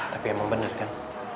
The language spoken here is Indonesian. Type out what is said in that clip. tapi emang bener kan